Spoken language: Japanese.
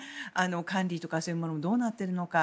管理とかそういうものもどうなっているのか。